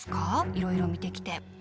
いろいろ見てきて。